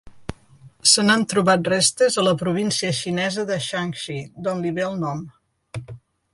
Se n'han trobat restes a la província xinesa de Shanxi, d'on li ve el nom.